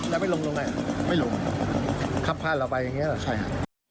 แล้วไม่ลงลงไหนขับข้างเราไปอย่างนี้หรือใช่ค่ะ